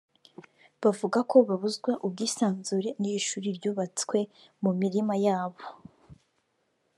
bavuga ko babuzwa ubwisanzure n’iri shuri ryubatswe mu mirima yabo